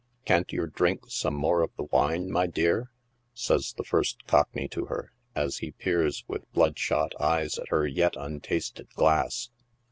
" Kant yer drink some more of the wine, my dear ?" says the first cockney to her, as he peers with bloodshot eyes at her yet untasted glass.